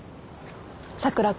佐倉君。